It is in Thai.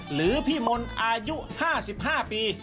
หรือพี่มนต์อายุ๕๕ปี